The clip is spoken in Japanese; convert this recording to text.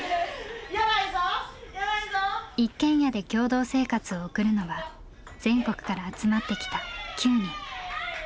一軒家で共同生活を送るのは全国から集まってきた９人。